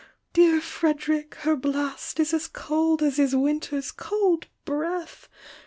dear Fred'rick, her blast Is as cold as is winter's cold breath